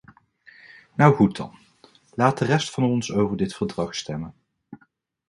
Nou goed dan, laat de rest van ons over dit verdrag stemmen.